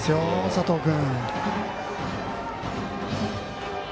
佐藤君。